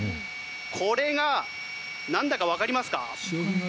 これがなんだかわかりますか？